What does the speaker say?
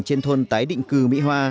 trên thôn tái định cư mỹ hoa